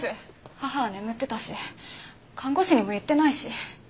母は眠ってたし看護師にも言ってないし。